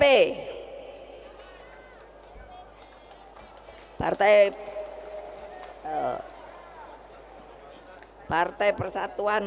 yang pertama adalah partai kekuasaan